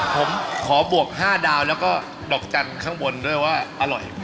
ผมขอบวก๕ดาวแล้วก็ดอกจันทร์ข้างบนด้วยว่าอร่อย